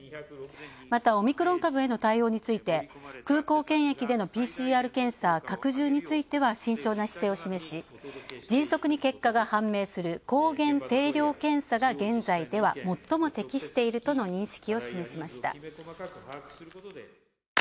またオミクロン株への対応について空港検疫でのＰＣＲ検査拡充については慎重な姿勢を示し、迅速に結果が判明する抗原定量検査が現在では最も適しているとの認識を示しました。